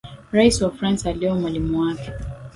Raisi wa France aliowa mwalimu wake